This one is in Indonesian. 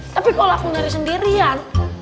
tapi kalau aku nari sendirian